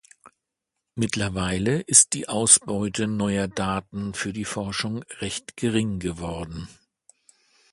Mittlerweile ist die Ausbeute neuer Daten für die Forschung recht gering geworden.